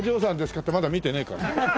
ってまだ見てねえか。